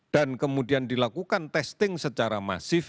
dan kemudian dilakukan testing secara masif